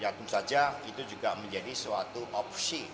ya tentu saja itu juga menjadi suatu opsi